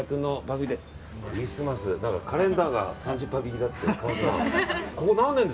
クリスマスカレンダーが３０％引きだって。